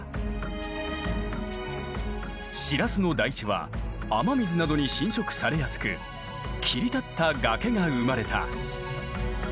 シラスの台地は雨水などに浸食されやすく切り立った崖が生まれた。